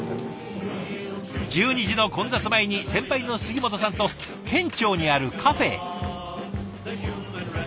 １２時の混雑前に先輩の杉本さんと県庁にあるカフェへ。